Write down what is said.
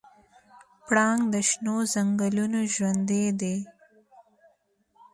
پړانګ د شنو ځنګلونو ژوندی دی.